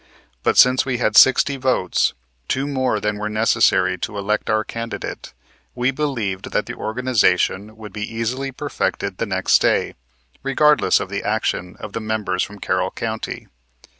But since we had sixty votes, two more than were necessary to elect our candidate, we believed that the organization would be easily perfected the next day, regardless of the action of the members from Carroll County.